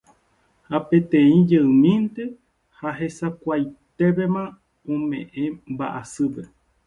Peteĩ jeymínte ha hesakuaitépema ome'ẽ mba'asýpe.